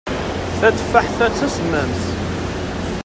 Tateffaḥt-a d tasemmamt.